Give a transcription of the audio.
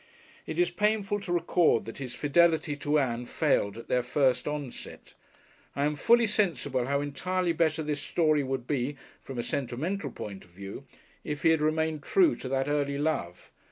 It is painful to record that his fidelity to Ann failed at their first onset. I am fully sensible how entirely better this story would be from a sentimental point of view if he had remained true to that early love.